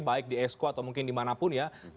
baik di esko atau mungkin dimanapun ya